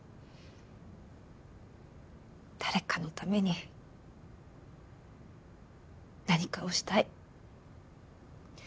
誰かのために何かをしたい。